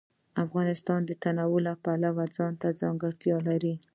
افغانستان د تنوع د پلوه ځانته ځانګړتیا لري.